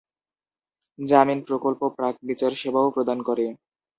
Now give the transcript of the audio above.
জামিন প্রকল্প প্রাক-বিচার সেবাও প্রদান করে।